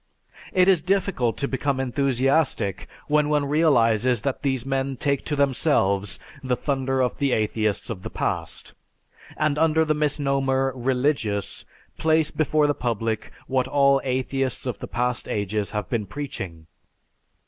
It is difficult to become enthusiastic when one realizes that these men take to themselves the thunder of the atheists of the past, and under the misnomer, "religious," place before the public what all atheists of the past ages have been preaching.